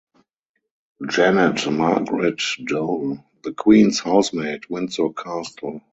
Janet Margaret Doel, The Queen's Housemaid, Windsor Castle.